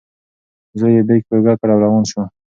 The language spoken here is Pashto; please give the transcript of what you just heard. زوی یې بیک په اوږه کړ او روان شو.